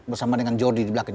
bersama dengan george di belakang